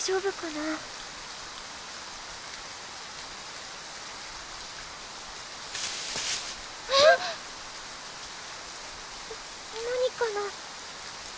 な何かな？